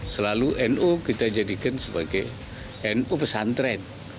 selalu nu kita jadikan sebagai nu pesantren